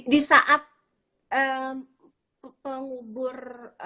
di saat pengubur